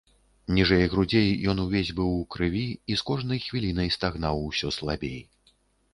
Ніжэй грудзей ён увесь быў у крыві і з кожнай хвілінай стагнаў усё слабей.